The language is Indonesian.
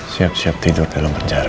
siap siap tidur dalam penjara